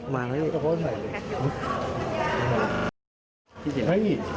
มานี่กระโปรดใหม่เลย